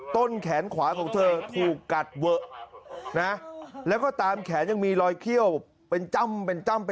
ต้นแขนขวาของเธอถูกกัดเวอะนะแล้วก็ตามแขนยังมีรอยเขี้ยวเป็นจ้ำเป็นจ้ำไป